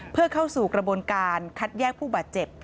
เพื่อเข้าสู่กระบวนการคัดแยกผู้บาดเจ็บ